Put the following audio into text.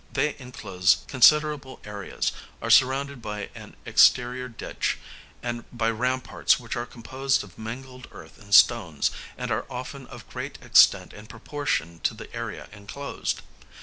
They enclose considerable areas, are surrounded by an exterior ditch, and by ramparts which are composed of mingled earth and stones, and are often of great extent in proportion to the area enclosed.